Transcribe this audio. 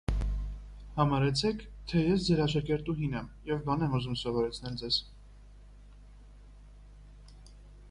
Համարեցեք, թե ես ձեր աշակերտուհին եմ և բան եմ ուզում սովորել ձեզնից: